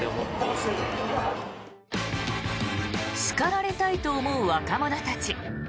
叱られたいと思う若者たち。